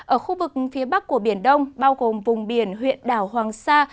ở khu vực phía bắc của biển đông bao gồm vùng biển huyện đảo hoàng sa